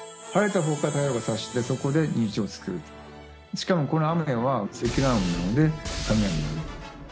しかもこの雨は積乱雲なので雷が鳴る。